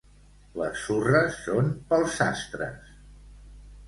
Les surres són pels sastres.